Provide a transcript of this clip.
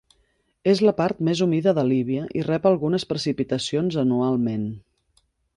És la part més humida de Líbia i rep algunes precipitacions anualment.